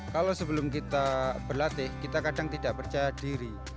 kalau sebelum kita berlatih kita kadang tidak percaya diri